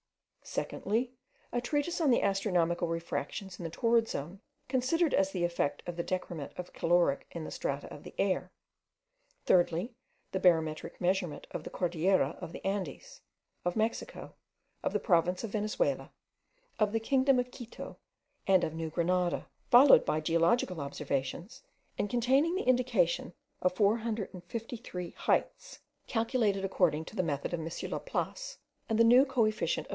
Secondly, a treatise on the astronomical refractions in the torrid zone, considered as the effect of the decrement of caloric in the strata of the air; thirdly, the barometric measurement of the Cordillera of the Andes, of Mexico, of the province of Venezuela, of the kingdom of Quito, and of New Grenada; followed by geological observations, and containing the indication of four hundred and fifty three heights, calculated according to the method of M. Laplace, and the new co efficient of M.